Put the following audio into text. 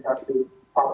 itu harus dijalankan